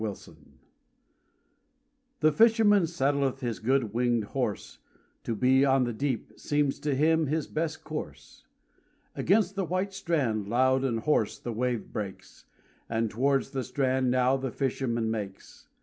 THE FISHER The fisherman saddleth his good winged horse, To be on the deep seems to him his best course. Against the white strand loud and hoarse the wave breaks, And towards the strand now the fisherman makes.